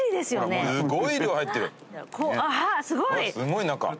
すごい中。